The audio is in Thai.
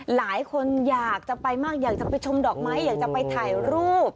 หลายคนอยากจะไปชมดอกไม้อยากไปถ่ายรูป